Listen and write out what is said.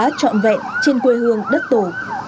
bóng đá trọn vẹn trên quê hương đất tổ